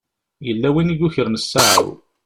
Yella win i yukren ssaɛa-w.